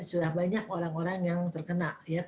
sudah banyak orang orang yang terkena